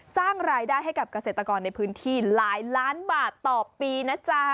สร้างรายได้ให้กับเกษตรกรในพื้นที่หลายล้านบาทต่อปีนะจ๊ะ